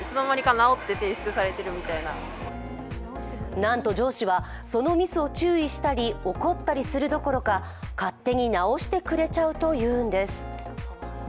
なんと上司はそのミスを注意したり怒ったりするどころか勝手に直してくれちゃうというんです。